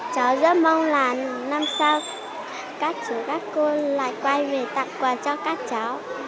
cháu rất mong là năm sao các chú các cô lại quay về tặng quà cho các cháu